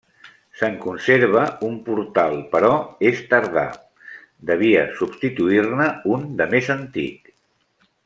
Se'n conserva un portal, però és tardà: devia substituir-ne un de més antic.